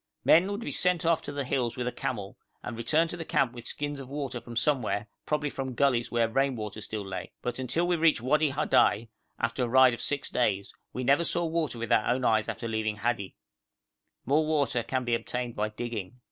Men would be sent off to the hills with a camel, and return to the camp with skins of water from somewhere, probably from gulleys where rain water still lay; but until we reached Wadi Hadai, after a ride of six days, we never saw water with our own eyes after leaving Hadi. More water can be obtained by digging.